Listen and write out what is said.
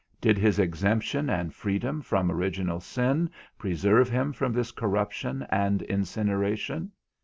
Did his exemption and freedom from original sin preserve him from this corruption and incineration?